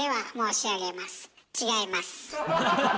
違います。